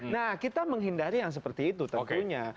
nah kita menghindari yang seperti itu tentunya